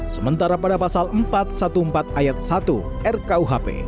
sementara pada pasal empat ratus empat belas ayat satu rkuhp